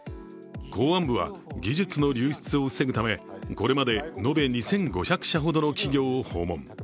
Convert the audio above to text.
公安部は技術の流出を防ぐため、これまで延べ２５００社ほどの企業を訪問。